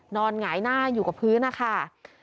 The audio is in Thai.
หงายหน้าอยู่กับพื้นนะคะ